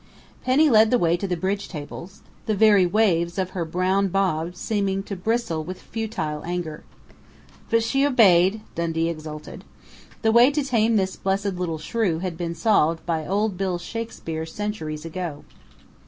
Penny led the way to the bridge tables, the very waves of her brown bob seeming to bristle with futile anger. But she obeyed, Dundee exulted. The way to tame this blessed little shrew had been solved by old Bill Shakespeare centuries ago....